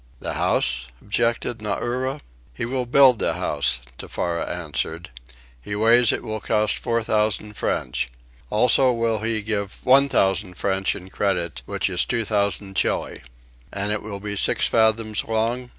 "The house?" objected Nauri. "He will build the house," Tefara answered. "He ways it will cost four thousand French. Also will he give one thousand French in credit, which is two thousand Chili." "And it will be six fathoms long?"